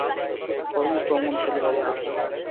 ওর মতো অমন ছেলে পাব কোথায়।